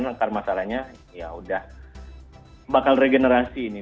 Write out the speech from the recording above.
langkar masalahnya ya udah bakal regenerasi ini